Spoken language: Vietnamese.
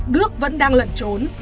đức vẫn đang lận trốn